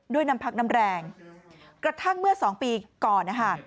ด้วยนำพักนำแรงกระทั่งเมื่อ๒ปีก่อน